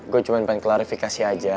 gue cuma pengen klarifikasi aja